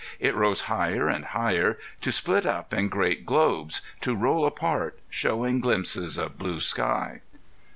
It rose higher and higher, to split up in great globes, to roll apart, showing glimpses of blue sky.